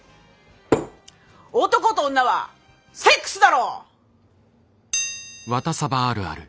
男と女はセックスだろ！